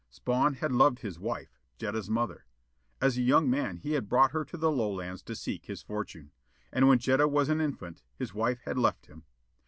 Spawn had loved his wife, Jetta's mother. As a young man he had brought her to the Lowlands to seek his fortune. And when Jetta was an infant, his wife had left him.